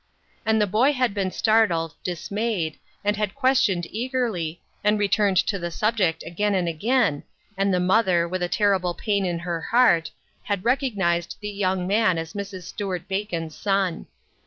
And the boy had been startled, dismayed, and had ques tioned eagerly, and returned to the subject again and again, and the mother, with a terrible pain in her heart, had recognized the young man as Mrs. Stuart Bacon's son.